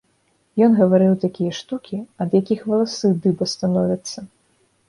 Ён гаварыў такія штукі, ад якіх валасы дыба становяцца.